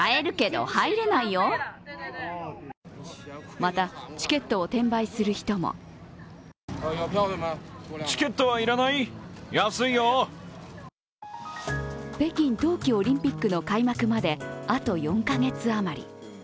また、チケットを転売する人も北京冬季オリンピックの開幕まで、あと４カ月余り。